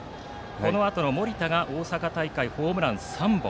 このあとの森田が大阪大会ホームラン３本。